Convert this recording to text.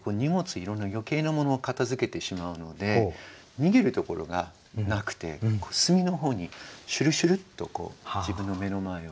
いろんな余計なもの片づけてしまうので逃げるところがなくて隅の方にしゅるしゅるっと自分の目の前を。